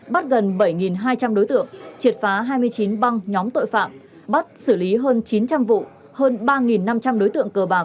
bắt gần bảy hai trăm linh đối tượng triệt phá hai mươi chín băng nhóm tội phạm bắt xử lý hơn chín trăm linh vụ